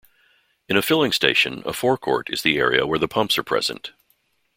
In a filling station a forecourt is the area where the pumps are present.